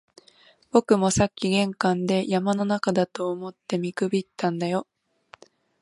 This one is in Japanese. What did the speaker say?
僕もさっき玄関で、山の中だと思って見くびったんだよ